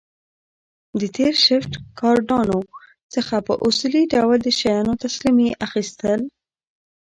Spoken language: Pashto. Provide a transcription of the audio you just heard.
د تېر شفټ ګاردانو څخه په اصولي ډول د شیانو تسلیمي اخیستل